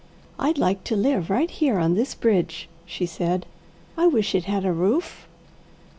"I'd like to live right here on this bridge," she said. "I wish it had a roof."